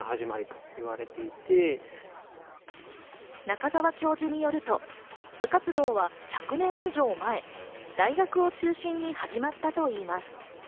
中澤教授によると部活動は１００年以上前、大学を中心に始まったといいます。